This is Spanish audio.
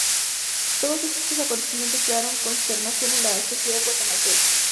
Todos estos acontecimientos crearon consternación en la sociedad guatemalteca.